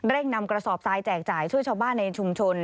นำกระสอบทรายแจกจ่ายช่วยชาวบ้านในชุมชน